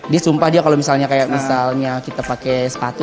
dia sumpah dia kalau misalnya kayak misalnya kita pakai sepatu